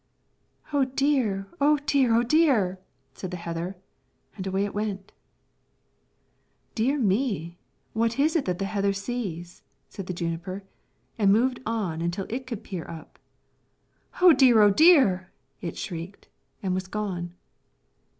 "Oh dear, oh dear, oh dear!" said the heather, and away it went. "Dear me! what is it the heather sees?" said the juniper, and moved on until it could peer up. "Oh dear, oh dear!" it shrieked, and was gone.